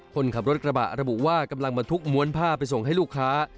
คนขับรถกระบะระบุว่ากำลังมาทุกม้วนผ้าไปส่งให้ลูกค้า